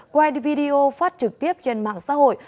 quay video phát trực tiếp trên mạng xã hội